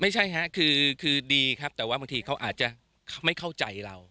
ไม่ใช่ฮะคือดีครับแต่ว่าบางทีเขาอาจจะไม่เข้าใจเรา